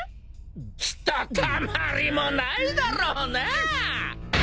ひとたまりもないだろうなぁ！